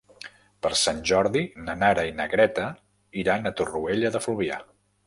Per Sant Jordi na Nara i na Greta iran a Torroella de Fluvià.